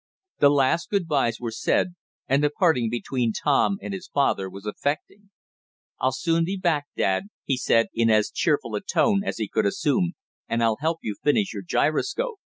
The last good byes were said, and the parting between Tom and his father was affecting. "I'll soon be back, dad," he said in as cheerful a tone as he could assume, "and I'll help you finish your gyroscope."